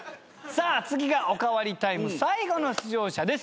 さあ次がおかわりタイム最後の出場者です。